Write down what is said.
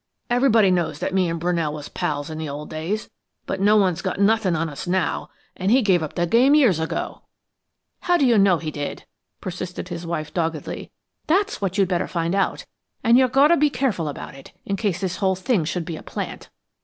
Everybody knows that me and Brunell was pals in the old days, but no one's got nothin' on us now, and he give up the game years ago." "How d'you know he did?" persisted his wife doggedly. "That's what you better find out, but you've gotter be careful about it, in case this whole thing should be a plant."